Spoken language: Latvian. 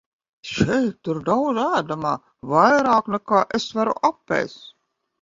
Šeit ir daudz ēdamā, vairāk nekā es varu apēst.